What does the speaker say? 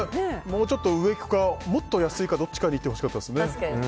もうちょっと上いくかもっと安いかどっちかにいってほしかったですね。